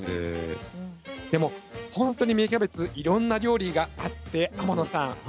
でもほんとに芽キャベツいろんな料理があって天野さん